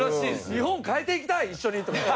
日本を変えていきたい一緒に！とかって。